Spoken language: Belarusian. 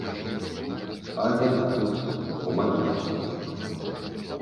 А зямля тут, у маёнтку.